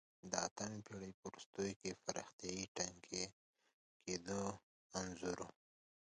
د اتمې پېړۍ په وروستیو کې پراختیا ټکنۍ کېدو انځور و